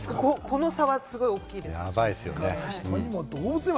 この差はすごい大きいです。